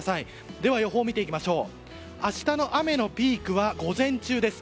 では予報を見ていきましょう。